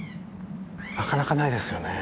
なかなかないですよね。